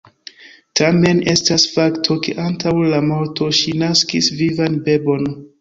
Tamen estas fakto, ke antaŭ la morto ŝi naskis vivan bebon.